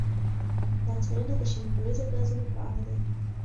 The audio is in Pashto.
دا څېړنه د شین کوریزه ګازونو په اړه ده.